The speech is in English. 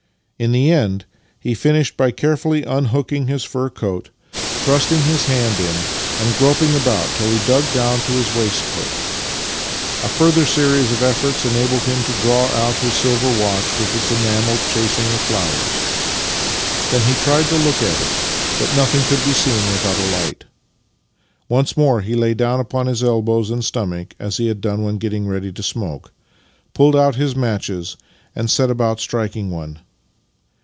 In the end he finished by carefully unhooking his fur coat, thrusting Master and Man 47 his hand in, and groping about till he dug down to his waistcoat. A further series of efforts enabled him to draw out his silver watch, with its enamelled chasing of flowers. Then he tried to look at it, but nothing could be seen without a light. Once more he lay down upon his elbows and stomach (as he had done when getting ready to smoke), pulled out his matches, and set about striking one.